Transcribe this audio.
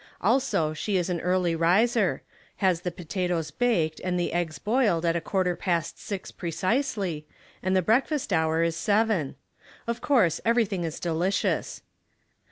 Also she is an early riser ; has the 167 168 Household Puzzles. potatoes baked and the eggs boiled at a qiiartei past six precisely, and the breakfast hour is seven ; of course everything is delicious.